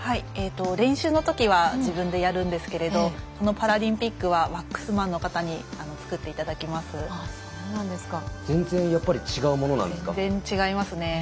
練習のときは自分でやるんですけれどこのパラリンピックはワックスマンの方に全然やっぱり全然違いますね。